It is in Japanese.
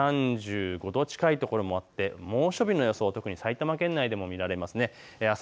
３５度近いところもあって猛暑日の予想、特に埼玉県内でも見られます。